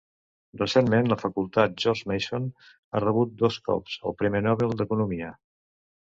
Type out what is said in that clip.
Recentment, la facultat George Mason ha rebut dos cops el Premi Nobel d'Economia.